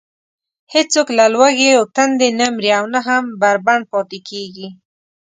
هېڅوک له لوږې و تندې نه مري او نه هم بربنډ پاتې کېږي.